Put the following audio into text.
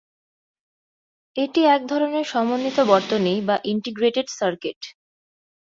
এটি একধরনের সমন্বিত বর্তনী বা ইন্টিগ্রেটেড সার্কিট।